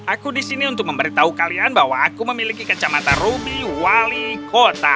aku disini untuk memberitahu kalian bahwa aku memiliki kacamata rumi wali kota